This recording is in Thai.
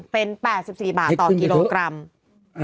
เป็น๘๔บาทต่อกิโลกรัมเป็นขึ้นเทอะ